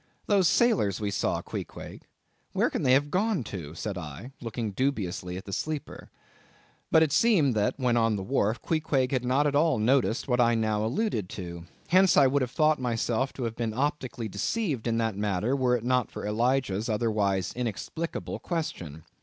"Those sailors we saw, Queequeg, where can they have gone to?" said I, looking dubiously at the sleeper. But it seemed that, when on the wharf, Queequeg had not at all noticed what I now alluded to; hence I would have thought myself to have been optically deceived in that matter, were it not for Elijah's otherwise inexplicable question.